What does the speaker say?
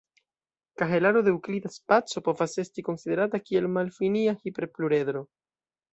Kahelaro de eŭklida spaco povas esti konsiderata kiel malfinia hiperpluredro.